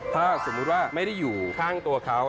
ถ้าสมมุติว่าไม่ได้อยู่ข้างตัวเขา